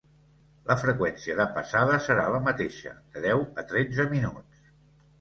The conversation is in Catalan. La freqüència de passada serà la mateixa: de deu a tretze minuts.